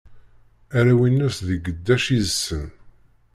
Arraw-ines di geddac yid-sen.